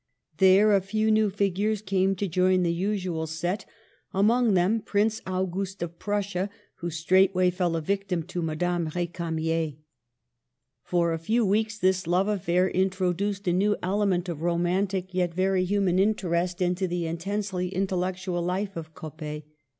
There a few new figures came to join the usual set, among them Digitized by VjOOQIC AND AUGUSTE SCHLEGEL AT ROME. 147 Prince Auguste of Prussia, who straightway fell a victim to Madame R6camier. For a few weeks this love affair introduced a new element of romantic, yet very human, interest into the in tensely intellectual life of Coppet.